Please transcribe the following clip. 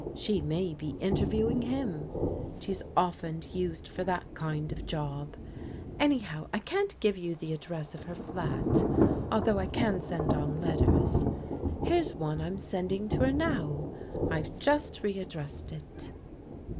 She may be interviewing him. She's often used for that kind of job. Anyhow I can't give you the address of her flat, although I can send on letters. "Here's one I'm sending to her now. I've jtist re addressed it."